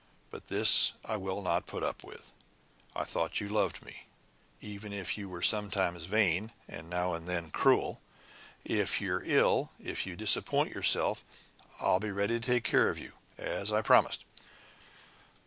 But this I will not put up with! I thought you loved me even if you were sometimes vain, and now and then cruel. If you're ill if you disappoint yourself, I'll be ready to take care of you as I promised.